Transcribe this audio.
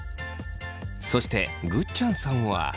そしてぐっちゃんさんは。